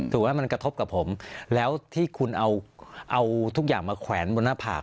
ว่ามันกระทบกับผมแล้วที่คุณเอาทุกอย่างมาแขวนบนหน้าผาก